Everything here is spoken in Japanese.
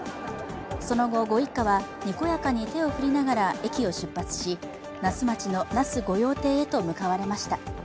その後、ご一家は、にこやかに手を振りながら駅を出発し那須町の那須御用邸へと向かわれました。